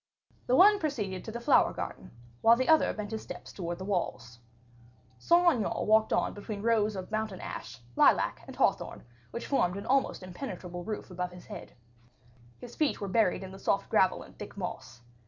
The one proceeded to the flower garden, while the other bent his steps towards the walls. Saint Aignan walked on between rows of mountain ash, lilac, and hawthorn, which formed an almost impenetrable roof above his head; his feet were buried in the soft gravel and thick moss.